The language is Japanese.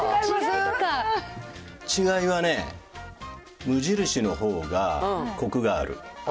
違いはね、無印のほうがコクがある。